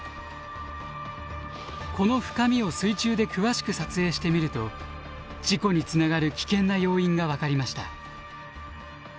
この深みを水中で詳しく撮影してみると事故につながる危険な要因が分かりました。